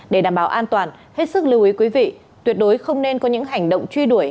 để đảm bảo an toàn hết sức lưu ý quý vị tuyệt đối không nên có những hành động truy đuổi